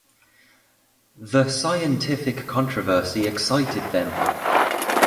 The scientific controversy excited them.